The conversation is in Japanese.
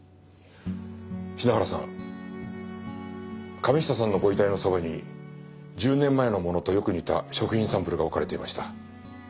品原さん神下さんのご遺体のそばに１０年前のものとよく似た食品サンプルが置かれていました。